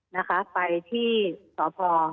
นะคะไปที่สพ